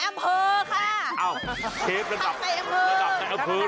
เชฟฯระดับในอำเภอหรอ